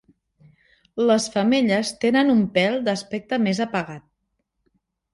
Les femelles tenen un pèl d'aspecte més apagat.